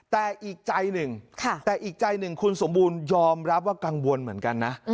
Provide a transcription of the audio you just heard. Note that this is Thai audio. แต่อีกใจหนึ่งคุณสมบูรณ์ยอมรับว่ากังวลเหมือนกันนะ